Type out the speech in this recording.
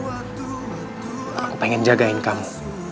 aku pengen jagain kamu